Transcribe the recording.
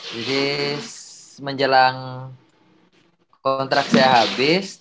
this is menjelang kontrak saya habis